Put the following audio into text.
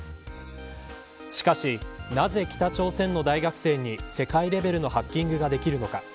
しかし、なぜ北朝鮮の大学生に世界レベルのハッキングができるのか。